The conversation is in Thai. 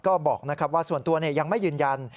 ก็บอกว่าส่วนตัวยังไม่ยืนยัน